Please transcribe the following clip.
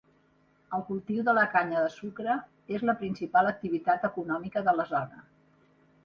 El cultiu de la canya de sucre és la principal activitat econòmica de la zona.